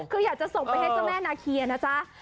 คืออยากจะส่งไปให้เจ้าแม่นาเคียนะจ๊ะ